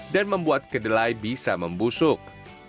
dan membuat kedelai bisa membusuk